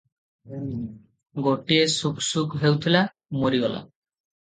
ଗୋଟିଏ ଶୁକ୍ ଶୁକ୍ ହେଉଥିଲା, ମରିଗଲା ।